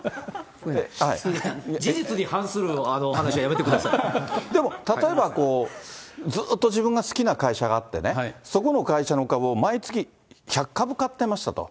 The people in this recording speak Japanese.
事実に反する話はやめてくだでも例えば、ずっと自分が好きな会社があってね、そこの会社の株を毎月１００株買ってましたと。